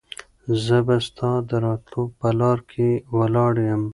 زه به ستا د راتلو په لاره کې ولاړ یم.